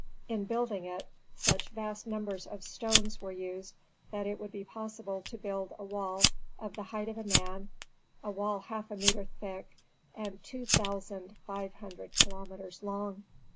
In building it, such vast numbers of stones were used that it would be possible to build a wall of the height of a man, a wall half a metre thick, and two thousand five hundred kilometres long.